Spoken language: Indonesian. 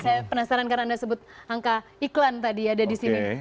saya penasaran karena anda sebut angka iklan tadi ada di sini